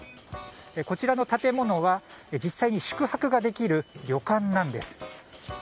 こちらの建物は実際に宿泊ができる旅館なんです。